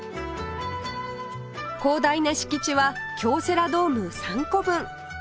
広大な敷地は京セラドーム３個分